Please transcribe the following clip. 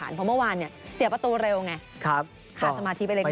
เพราะว่าเมื่อวานเนี่ยเสียประตูเร็วไงขาดสมาธิไปเล็กน้อย